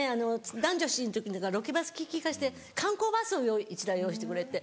『男女７人』の時なんかロケバス気利かせて観光バスを１台用意してくれて。